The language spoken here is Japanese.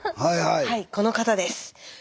はいこの方です。